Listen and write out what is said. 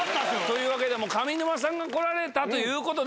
というわけで上沼さんが来られたということで。